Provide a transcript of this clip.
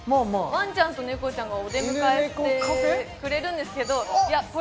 ワンちゃんと猫ちゃんがお出迎えしてくれるんですけど犬猫カフェ？